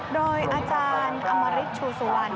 โดยอาจารย์อำริษฐ์ชูซวรรณ